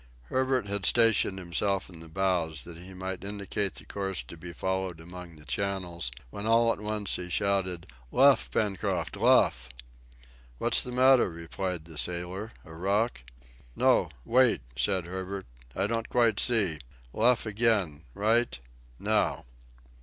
Herbert had stationed himself in the bows that he might indicate the course to be followed among the channels, when all at once he shouted, "Luff, Pencroft, luff!" "What's the matter," replied the sailor; "a rock?" "No wait," said Herbert; "I don't quite see. Luff again right now."